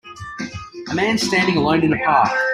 A man standing alone in a park.